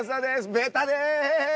ベタです！